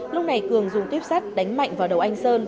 lúc này cường dùng tuyếp sắt đánh mạnh vào đầu anh sơn